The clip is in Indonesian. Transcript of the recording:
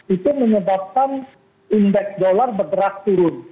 itu menyebabkan indeks dolar bergerak turun